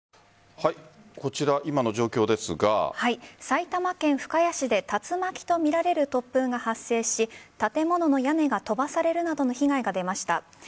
埼玉県深谷市で竜巻とみられる突風が発生し建物の屋根が飛ばされるなどの被害が出ました。